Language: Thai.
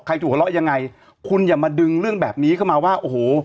ถูกหัวเราะยังไงคุณอย่ามาดึงเรื่องแบบนี้เข้ามาว่าโอ้โห